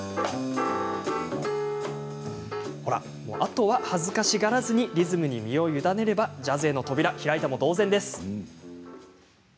ほら、あとは恥ずかしがらずにリズムに身を委ねればジャズへの扉は開いたも同然です。